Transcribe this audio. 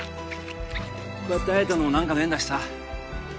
こうやって会えたのも何かの縁だしさ